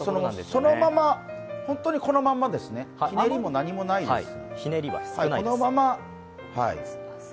そのまま、本当にこのまんまですね、ひねりも何もないです。